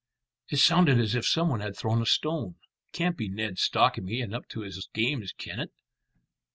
"It sounded as if some one had thrown a stone. Can't be Ned stalking me and up to his games, can it?